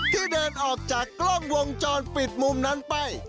ที่เดินออกจากกล้องวงจรปิดมุมนั้นไป